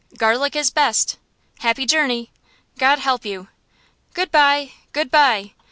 "Garlick is best!" "Happy journey!" "God help you!" "Good bye! Good bye!"